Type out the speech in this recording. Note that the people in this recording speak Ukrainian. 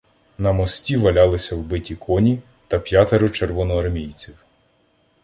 На мості валялися вбиті коні та п'ятеро червоноармійців.